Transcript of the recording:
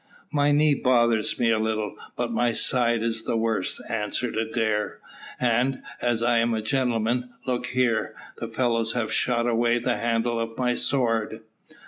"My knee bothers me a little, but my side is the worst," answered Adair. "And, as I am a gentleman, look here, the fellows have shot away the handle of my sword!"